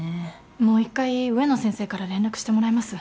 もう一回植野先生から連絡してもらいます。